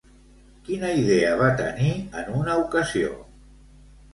Quina idea va tenir en una ocasió?